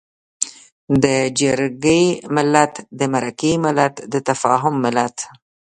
د جرګې ملت، د مرکې ملت، د تفاهم ملت.